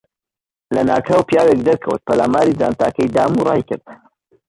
لەناکاو پیاوێک دەرکەوت، پەلاماری جانتاکەی دام و ڕایکرد.